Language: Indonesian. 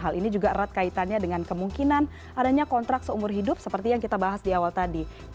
hal ini juga erat kaitannya dengan kemungkinan adanya kontrak seumur hidup seperti yang kita bahas di awal tadi